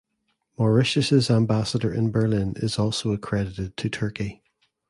Mauritius’s ambassador in Berlin is also accredited to Turkey.